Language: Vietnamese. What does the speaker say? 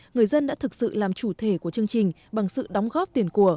người dân đã thực sự làm chủ thể của chương trình bằng sự đóng góp tiền của